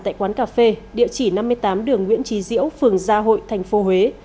tại quán cà phê địa chỉ năm mươi tám đường nguyễn trí diễu phường gia hội tp huế